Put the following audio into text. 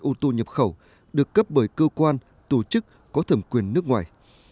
nhập khẩu giảm về sẽ giúp cho giá bán một số dòng xe nhập khẩu được cấp bởi cơ quan tổ chức có thẩm quyền nước ngoài